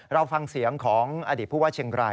เราฟังเสียงของอดีตผู้ว่าเชียงราย